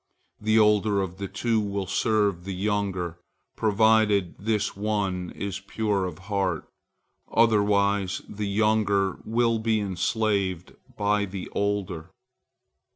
The older of the two will serve the younger, provided this one is pure of heart, otherwise the younger will be enslaved by the older."